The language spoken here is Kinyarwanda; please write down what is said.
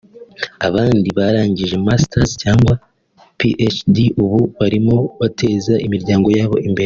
abandi barangije Masters cyangwa PhDs ubu barimo barateza imiryango yabo imbere